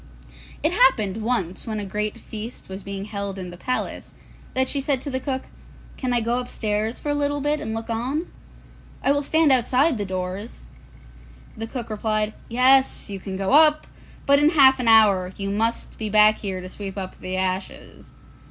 It happened once when a great feast was being held in the palace, that she said to the cook, 'Can I go upstairs for a little bit and look on? I will stand outside the doors.' The cook replied, 'Yes, you can go up, but in half an hour you must be back here to sweep up the ashes.